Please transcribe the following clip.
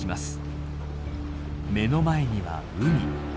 目の前には海。